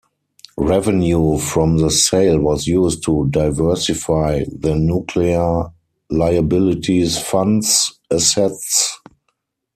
Revenue from the sale was used to diversify the Nuclear Liabilities Fund's assets.